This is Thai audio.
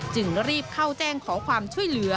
จึงรีบเข้าแจ้งขอความช่วยเหลือ